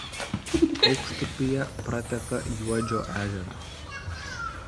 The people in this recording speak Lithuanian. Aukštupyje prateka Juodžio ežerą.